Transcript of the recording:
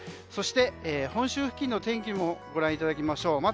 そして、本州付近の天気もご覧いただきましょう。